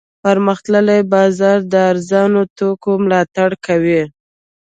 پرمختللی بازار د ارزانه توکو ملاتړ کوي.